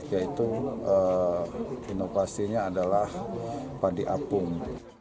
yaitu inovasinya adalah padi apung